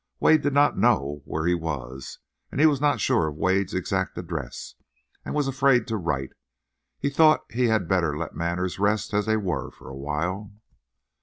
Wade did not know where he was; and he was not sure of Wade's exact address, and was afraid to write. He thought he had better let matters rest as they were for a while.